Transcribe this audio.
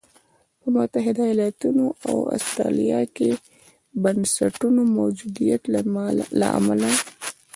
په متحده ایالتونو او اسټرالیا کې د بنسټونو موجودیت له امله.